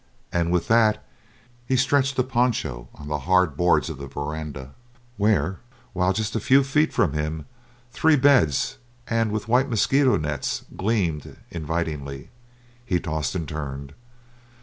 And with that he stretched a poncho on the hard boards of the veranda, where, while just a few feet from him the three beds and white mosquito nets gleamed invitingly, he tossed and turned.